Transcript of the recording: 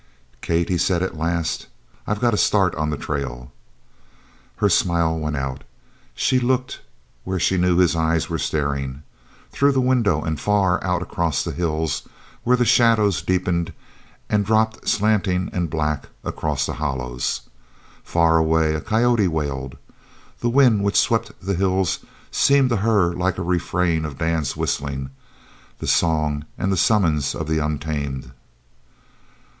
"Kate," he said at last, "I've got to start on the trail." Her smile went out. She looked where she knew his eyes were staring, through the window and far out across the hills where the shadows deepened and dropped slanting and black across the hollows. Far away a coyote wailed. The wind which swept the hills seemed to her like a refrain of Dan's whistling the song and the summons of the untamed.